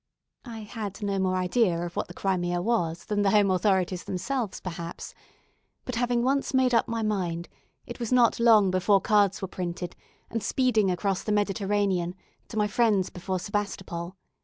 I had no more idea of what the Crimea was than the home authorities themselves perhaps, but having once made up my mind, it was not long before cards were printed and speeding across the Mediterranean to my friends before Sebastopol.